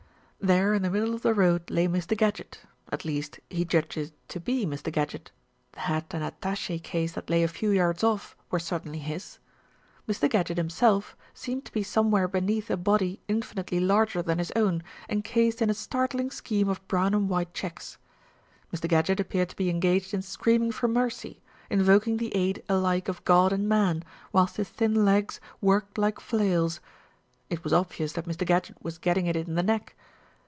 There in the middle of the road lay Mr. Gadgett, at least he judged it to be Mr. Gadgett, the hat and attache case that lay a few yards off were certainly his. Mr. Gadgett himself seemed to be somewhere beneath a body infinitely larger than his own, encased in a startling scheme of brown and white checks. Mr. Gadgett appeared to be engaged in screaming for mercy, invoking the aid alike of God and man, whilst his thin legs worked like flails. It was obvious that Mr. Gadgett was getting it in the neck.